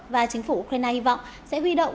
và chính phủ ukraine hy vọng sẽ huy động